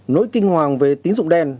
nỗi kinh hoàng về tín dụng đen